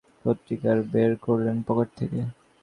তিনি ওভারকোটের পকেট থেকে পত্রিকা বের করলেন।